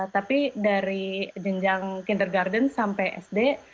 tapi dari jenjang kindergarten sampai sd